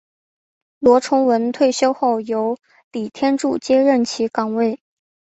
罗崇文退休后由李天柱接任其岗位。